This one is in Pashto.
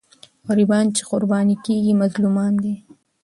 غریبان چې قرباني کېږي، مظلومان دي.